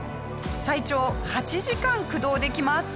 最長８時間駆動できます。